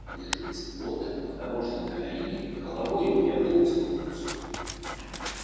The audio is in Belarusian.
Ляжыць ботамі на дарожнай каляіне і галавою ў ядлоўцавы куст.